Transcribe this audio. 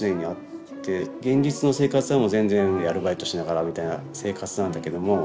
現実の生活は全然アルバイトしながらみたいな生活なんだけども。